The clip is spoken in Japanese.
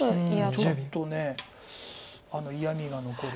ちょっと嫌みが残る。